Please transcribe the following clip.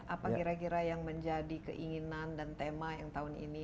apa kira kira yang menjadi keinginan dan tema yang tahun ini